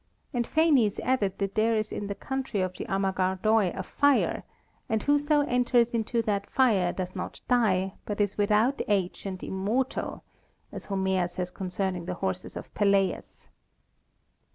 And Phanes added that there is in the country of the Amagardoi a fire; and whoso enters into that fire does not die, but is "without age and immortal," as Homer says concerning the horses of Peleus.